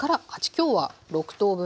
今日は６等分で。